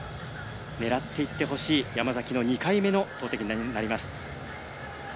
狙っていってほしい山崎の２回目の投てきになります。